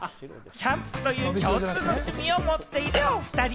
キャンプという共通の趣味を持っているおふたり。